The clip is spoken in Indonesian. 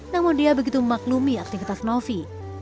namun dia begitu memaklumi aktivitas novi